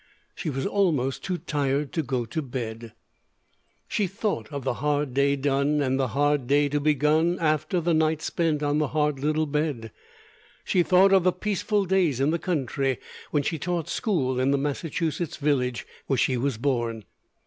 She was almost too tired to go to bed. She thought of the hard day done and the hard day to be begun after the night spent on the hard little bed. She thought of the peaceful days in the country, when she taught school in the Massachusetts village where she was born.